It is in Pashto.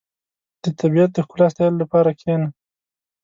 • د طبیعت د ښکلا ستایلو لپاره کښېنه.